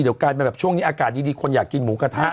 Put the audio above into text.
เดี๋ยวกลายเป็นแบบช่วงนี้อากาศดีคนอยากกินหมูกระทะ